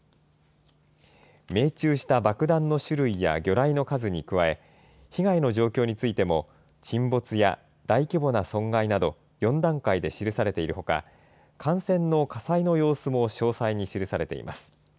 命中した爆弾の酒類や魚雷の数に加え、被害の状況についても沈没や大規模な損害など、４段階で記されているほか、艦船の火災の様子も詳細に記されています。